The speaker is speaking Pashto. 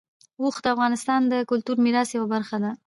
اوښ د افغانستان د کلتوري میراث یوه برخه ده.